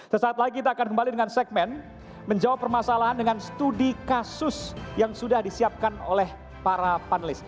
sesaat lagi kita akan kembali dengan segmen menjawab permasalahan dengan studi kasus yang sudah disiapkan oleh para panelis